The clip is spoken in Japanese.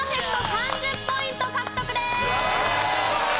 ３０ポイント獲得です！